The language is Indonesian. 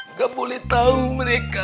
nggak boleh tahu mereka